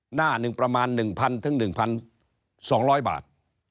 หน้าหนึ่งประมาณ๑๐๐๑๒๐๐บาท